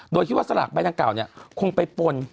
โดยคิดว่าสลากใบดังกล่าวคงไปปน